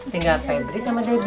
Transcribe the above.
tinggal febri sama debi